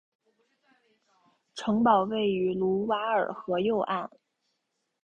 城堡位于卢瓦尔河右岸。